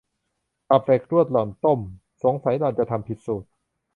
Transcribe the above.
ตับเหล็กลวกหล่อนต้ม สงสัยหล่อนจะทำผิดสูตร